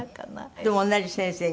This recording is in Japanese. でも同じ先生に？